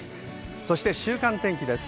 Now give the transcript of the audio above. そして週間天気です。